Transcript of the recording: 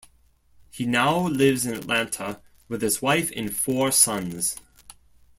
He now lives in Atlanta with his wife and four sons.